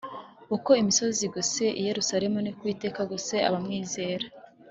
Uko imisozi igose I yerusalemu niko Uwiteka agose abamwizera